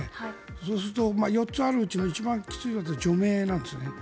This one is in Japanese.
そうすると４つあるうちの一番きついのは除名なんですね。